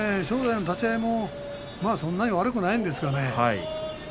正代の立ち合いもそんなに悪くないんですけれどね